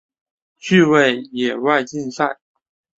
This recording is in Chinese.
趣味野外竞赛。